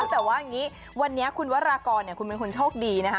แต่ว่าอย่างนี้วันนี้คุณวรากรคุณเป็นคนโชคดีนะคะ